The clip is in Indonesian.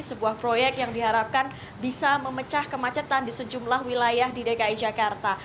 sebuah proyek yang diharapkan bisa memecah kemacetan di sejumlah wilayah di dki jakarta